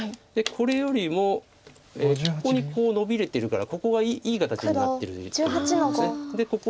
これよりもここにこうノビれてるからここがいい形になってるということです。